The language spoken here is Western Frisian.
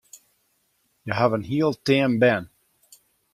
Hja hawwe in hiel team bern.